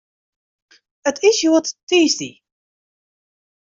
It is hjoed tiisdei.